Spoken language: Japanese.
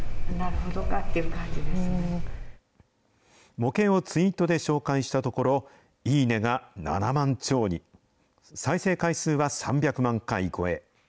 模型をツイートで紹介したところ、いいねが７万超に、再生回数は３００万回超え。